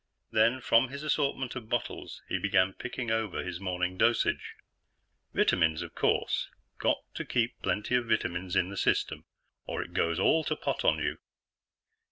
Then, from his assortment of bottles, he began picking over his morning dosage. Vitamins, of course; got to keep plenty of vitamins in the system, or it goes all to pot on you.